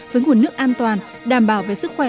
với nguồn nước an toàn đảm bảo về sức khỏe